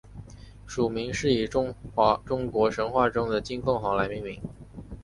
属名是以中国神话中的金凤凰来命名。